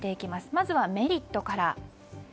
まずはメリットから。